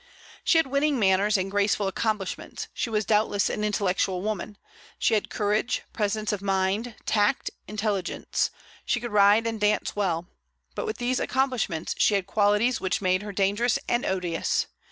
She had winning manners and graceful accomplishments; she was doubtless an intellectual woman; she had courage, presence of mind, tact, intelligence; she could ride and dance well: but with these accomplishments she had qualities which made her dangerous and odious.